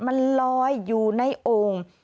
มันลอยอยู่ในโอ่ง